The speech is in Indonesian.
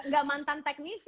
bener gak mantan teknisi